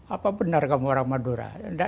apa benar kamu orang madura